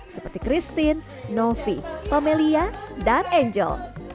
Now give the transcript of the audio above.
seperti christine novi pamelia dan angel